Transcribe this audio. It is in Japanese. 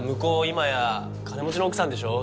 今や金持ちの奥さんでしょ？